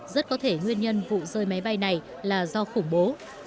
rất có thể nguyên nhân vụ rơi máy bay này là do khủng bố